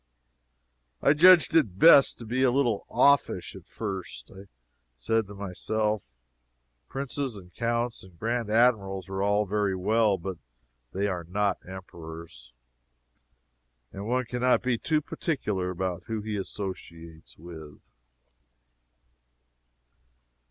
I judged it best to be a little offish, at first. I said to myself, Princes and Counts and Grand Admirals are very well, but they are not Emperors, and one can not be too particular about who he associates with.